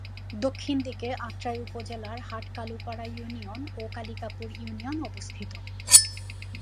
দক্ষিণ দিকে আত্রাই উপজেলার হাট-কালুপাড়া ইউনিয়ন ও কালিকাপুর ইউনিয়ন অবস্থিত।